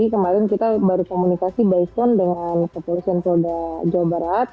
kemarin kita baru komunikasi by phone dengan kepolisian polda jawa barat